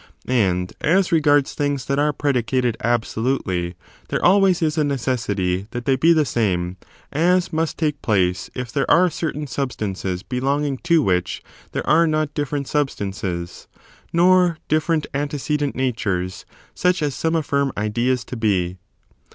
And as regards things that are predicated ^ That the absolutely there always is a necessity that they aie the same in be the same, as must take place if there are IhUie^predi certain substances belonging to which there are catedauo not different substances, nor different antecedent "'^^* natures, such as some afi&rm ideas to be.